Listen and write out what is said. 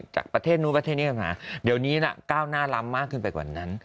จากประเทศนู้นประเทศนี้เข้ามาเดี๋ยวนี้ก้าวหน้าล้ำมากขึ้นไปกว่านั้น